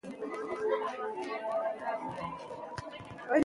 ژبې د افغانستان د چاپیریال د مدیریت لپاره مهم دي.